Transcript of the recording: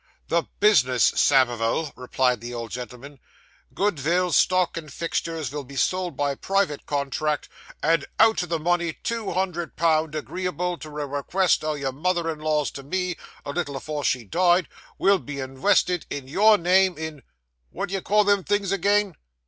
'The bis'ness, Samivel,' replied the old gentleman, 'good vill, stock, and fixters, vill be sold by private contract; and out o' the money, two hundred pound, agreeable to a rekvest o' your mother in law's to me, a little afore she died, vill be invested in your name in What do you call them things agin?